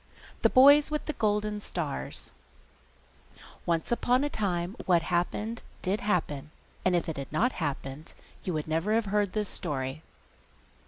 THE BOYS WITH THE GOLDEN STARS Once upon a time what happened did happen: and if it had not happened, you would never have heard this story.